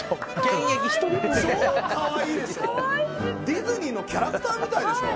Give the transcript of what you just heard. ディズニーのキャラクターみたいでしょ？